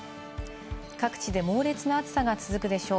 各地で猛烈な暑さが続くでしょう。